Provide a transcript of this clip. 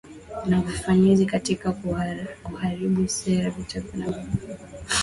Ni ufanisi katika kuharibu seli vegetative ya microorganism